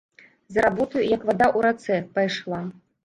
За работаю, як вада ў рацэ, пайшла.